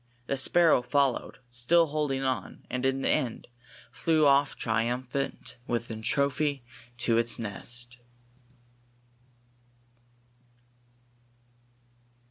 The sparrow followed, still holding on; and, in the end, flew off triumphant with the trophy to its nest.